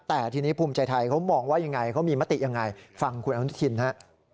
แต่ทีนี้ภูมิใจไทยเขามองไว้อย่างไรเขามีมติอย่างไรฟังคุณอาวุธิทินฮะ